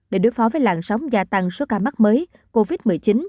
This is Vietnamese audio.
để đối phó với làn sóng gia tăng số ca mắc mới covid một mươi chín